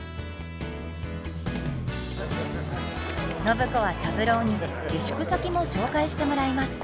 暢子は三郎に下宿先も紹介してもらいます。